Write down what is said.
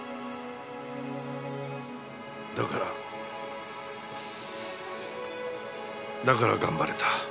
だからだから頑張れた。